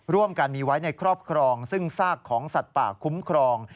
ร่วมกันมีไว้ในครอบครองซึ่งซากของสัตว์ป่าคุ้มครอง